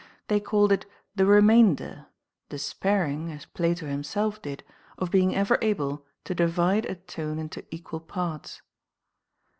they called it the remainder, despairing, as Plato himself did, of being ever able to divide a tone into equal parts.